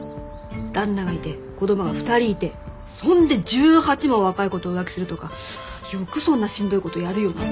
旦那がいて子供が２人いてそんで１８も若い子と浮気するとかよくそんなしんどい事やるよなって。